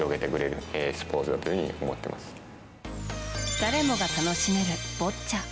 誰もが楽しめるボッチャ。